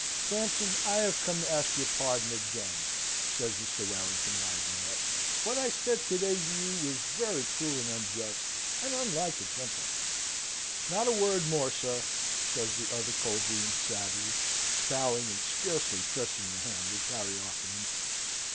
"Sampson, I have come to ask your pardon again," says Mr. Warrington, rising up. "What I said to day to you was very cruel and unjust, and unlike a gentleman." "Not a word more, sir," says the other, coldly and sadly, bowing and scarcely pressing the hand which Harry offered him.